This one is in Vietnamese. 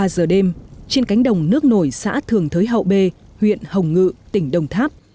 ba giờ đêm trên cánh đồng nước nổi xã thường thới hậu bê huyện hồng ngự tỉnh đồng tháp